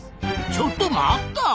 ちょっと待った！